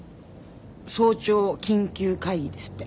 早朝緊急会議ですって。